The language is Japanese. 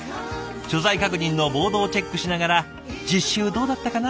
所在確認のボードをチェックしながら「実習どうだったかな？」